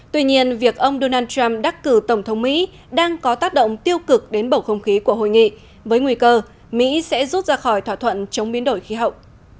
tuy nhiên việc ông donald trump đắc cử tổng thống mỹ đang có tác động tiêu cực đến bầu không khí của hội nghị với nguy cơ mỹ sẽ rút ra khỏi thỏa thuận chống biến đổi khí hậu